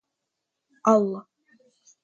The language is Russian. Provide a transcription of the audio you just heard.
Алла